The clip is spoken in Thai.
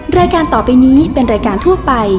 แม่บ้านประจันบาล